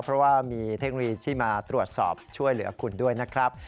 เพราะว่ามีเทคโนโลยีที่มาตรวจสอบช่วยเหลือคุณด้วยนะครับ